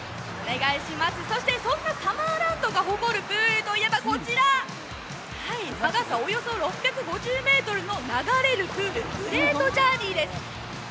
そんなサマーランドが誇るプールといえば、こちら、高さおよそ６５０ｍの流れるプール、グレートジャーニーです。